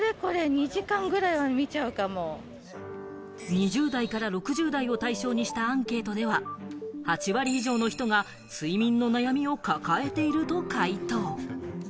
２０代から６０代を対象にしたアンケートでは、８割以上の人が睡眠の悩みを抱えていると回答。